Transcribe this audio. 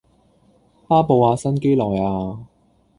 巴布亞新畿內亞